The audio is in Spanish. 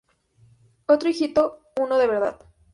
otro hijito. uno de verdad.